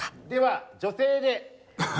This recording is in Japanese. では女性で！